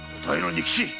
仁吉！